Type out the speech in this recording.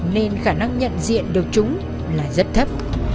nên khả năng nhận diện được chúng là rất thấp